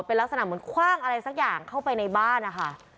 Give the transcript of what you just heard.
เป็นลักษณะเหมือนคว่างอะไรสักอย่างเข้าไปในบ้านนะคะ